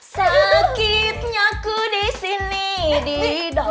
sakitnya aku di sini di dalam